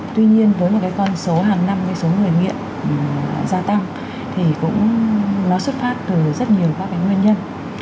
tuy nhiên với một con số hàng năm số người nghiện gia tăng nó xuất phát từ rất nhiều nguyên nhân